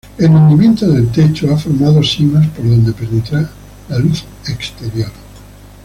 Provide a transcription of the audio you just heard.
El hundimiento del techo ha formado simas por donde penetra la luz exterior.